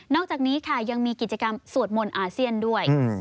อกจากนี้ค่ะยังมีกิจกรรมสวดมนต์อาเซียนด้วย